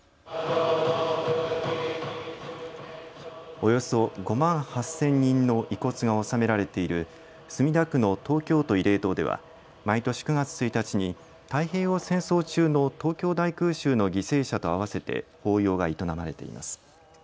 およそ５万８０００人の遺骨が納められている墨田区の東京都慰霊堂では毎年９月１日に太平洋戦争中の東京大空襲の犠牲者と合わせて法要が営まれています。